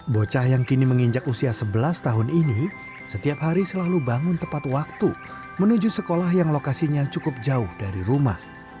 bocah yang kini menginjak usia sebelas tahun ini setiap hari selalu bangun tepat waktu menuju sekolah yang lokasinya cukup jauh dari rumah